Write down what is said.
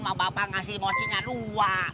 mau bapak ngasih mocinya dua